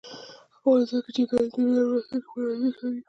افغانستان کې چنګلونه د نن او راتلونکي لپاره ارزښت لري.